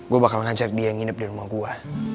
gue bakal ngajak dia yang nginep di rumah gue